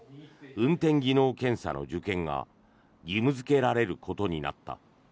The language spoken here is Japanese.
運転技能検査の受検が義務付けられることになった。